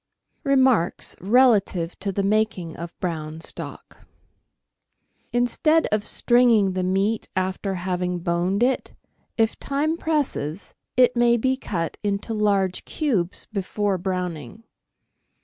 Remarks Relative to the Making of Brown Stock. — Instead of stringing the meat after having boned it, if time presses, it may be cut into large cubes before browning.